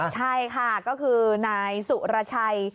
ใช่ค่ะก็คือนายสุรชัย